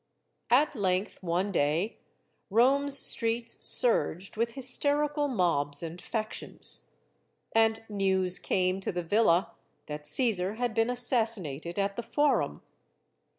At length, one day, Rome's streets surged with hys terical mobs and factions. And news came to the villa that Caesar had been assassinated at the Forum.